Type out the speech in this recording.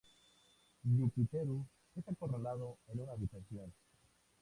Yukiteru es acorralado en una habitación.